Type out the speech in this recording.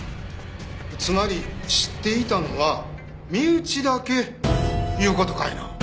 つまり知っていたのは身内だけいう事かいな。